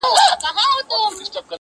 لکه ملنگ چي د پاچا د کلا ور ووهي!